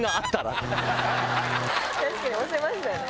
確かに押せましたね。